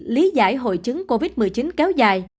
lý giải hội chứng covid một mươi chín kéo dài